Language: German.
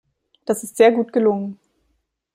Das ist sehr gut gelungen.